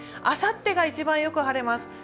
あさってが一番よく晴れます。